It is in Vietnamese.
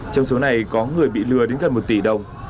trong số này có người bị lừa đến gần một tỷ đồng